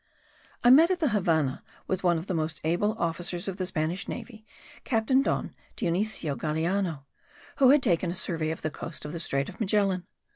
I met at the Havannah with one of the most able officers of the Spanish navy, Captain Don Dionisio Galeano, who had taken a survey of the coast of the strait of Magellan.